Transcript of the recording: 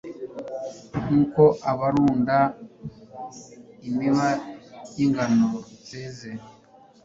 nk'uko barunda imiba y'ingano zeze